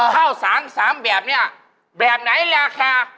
ข้าวสาร๓แบบนี้แบบไหนราคา